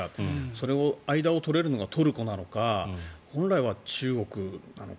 その間を取れるのがトルコなのか本来は中国なのか。